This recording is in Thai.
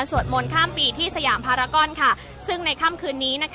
อาจจะออกมาใช้สิทธิ์กันแล้วก็จะอยู่ยาวถึงในข้ามคืนนี้เลยนะคะ